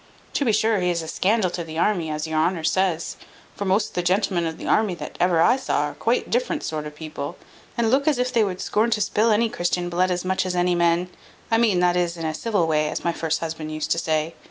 To be sure, he is a scandal to the army, as your honour says; for most of the gentlemen of the army that ever I saw, are quite different sort of people, and look as if they would scorn to spill any Christian blood as much as any men: I mean, that is, in a civil way, as my first husband used to say.